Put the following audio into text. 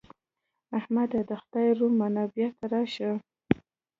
احمده! د خدای روی منه؛ بېرته راشه.